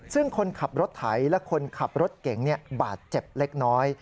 ซึ่งคนขับรถไถและคนขับรถเก๋งบาดเจ็บเล็กน้อย